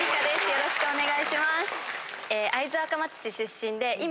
よろしくお願いします。